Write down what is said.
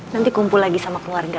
nanti kumpul lagi sama keluarga